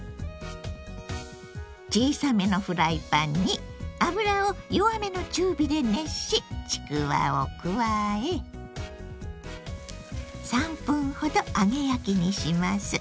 小さめのフライパンに油を弱めの中火で熱しちくわを加え３分ほど揚げ焼きにします。